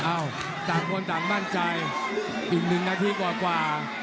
อ้าวต่างคนต่างบ้านใจอีกหนึ่งนาทีกว่ากว่า